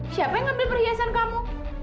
siapa yang ngambil perhiasan kamu